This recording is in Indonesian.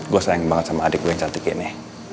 gue sering banget sama adik gue yang cantik ini